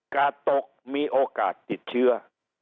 กาดตกมีโอกาสติดเชื้อ